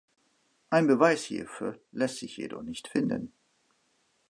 Ein Beweis hierfür lässt sich jedoch nicht finden.